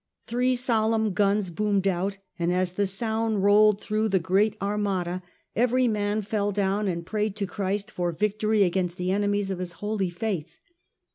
Three solemn guns boomed out, and as the soimd rolled through the great Armada every man fell down and prayed to Christ for victory against the enemies of His Holy Faith.